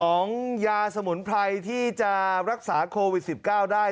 ยาสมุนไพรที่จะรักษาโควิด๑๙ได้